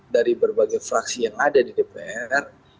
dari berbagai fraksi yang ada di dpr